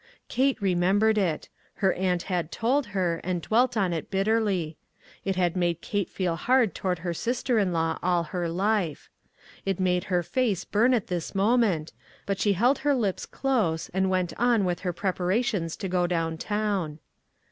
Kate remembered it; her aunt had told her, and dwelt on it bitterly. It had made Kate feel hard toward her sister in law all her life. It made her face burn at this moment, but she held her lips close, and went on with her preparations to go down town. "WHAT IS THE USE?"